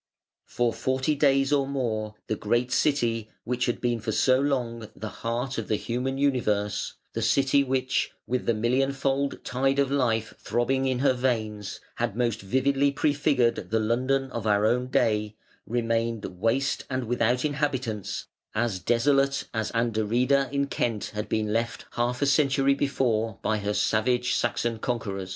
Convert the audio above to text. For forty days or more the great City which had been for so long the heart of the human universe, the city which, with the million fold tide of life throbbing in her veins, had most vividly prefigured the London of our own day, remained "waste and without inhabitants", as desolate as Anderida in Kent had been left half a century before by her savage Saxon conquerors.